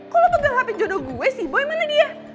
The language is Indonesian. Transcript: kok lo pegang hape jodoh gue sih boy mana dia